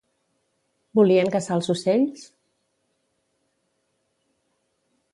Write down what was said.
Volien caçar els ocells?